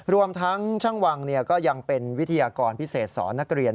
รวมทั้งช่างวังก็ยังเป็นวิทยากรพิเศษสอนนักเรียน